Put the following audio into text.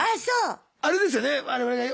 あれですよね